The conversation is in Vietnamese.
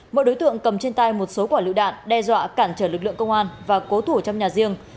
mỗi đối tượng cầm trên tay một số quả lựu đạn đe dọa cản trở lực lượng công an và cố thủ trong nhà riêng